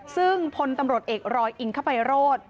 ซึ่งพลตำรวจเอกรอยอิงข้าไปรถ